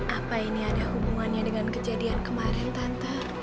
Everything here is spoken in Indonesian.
apa ini ada hubungannya dengan kejadian kemarin tante